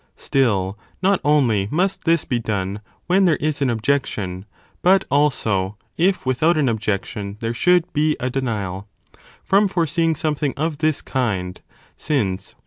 Still, not only must this be 4 case of de done when there is an objection, but also if with _ nial. out an objection there should be a denial,* from * i.e. of the foreseeing something of this kind, since when that